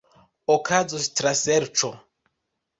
Okazos traserĉo.